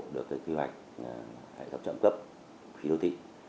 đồng bộ được kế hoạch tâm trạm cấp khí đô thị